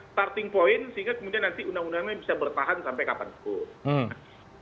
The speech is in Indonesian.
starting point sehingga kemudian nanti undang undangnya bisa bertahan sampai kapanpun